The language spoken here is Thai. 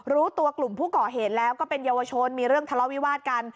รู้ตัวกลุ่มผู้ก่อเหตุแล้วก็เป็นเยาวชนมีเรื่องทะเลาวิวาสกัน